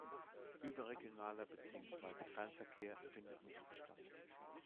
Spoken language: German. Überregionaler beziehungsweise Fernverkehr findet nicht statt.